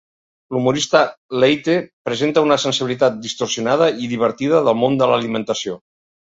L'humorista Leite, presenta una sensibilitat distorsionada i divertida del món de l'alimentació.